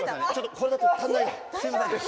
これだと足らないね。